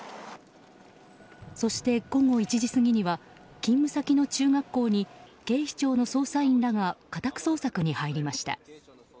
そして午後１時過ぎには勤務先の中学校に警視庁の捜査員らが家宅捜索に入りました。